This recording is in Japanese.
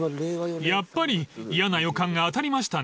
［やっぱり嫌な予感が当たりましたね］